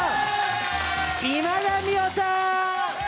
今田美桜さん！